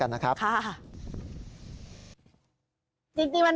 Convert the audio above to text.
จริงมันมาทุกปีแหละแต่ปีนี้มันมาช้าแต่มานะ